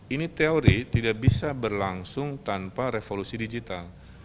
ini teori tidak bisa berlangsung tanpa revolusi digital